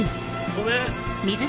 ・ごめん！